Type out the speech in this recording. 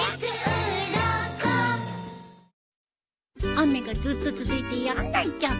雨がずっと続いてやんなっちゃう。